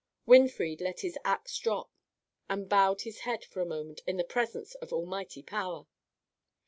Winfried let his axe drop, and bowed his head for a moment in the presence of almighty power.